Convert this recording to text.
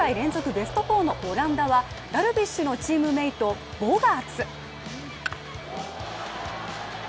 ベスト４のオランダはダルビッシュのチームメイト、ボガーツ。